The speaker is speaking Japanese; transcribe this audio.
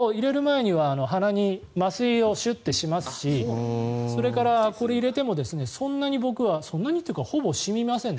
だけれどもちゃんと入れる前には鼻に麻酔をシュッてしますしそれからこれ入れてもそんなにというかほぼ染みませんね。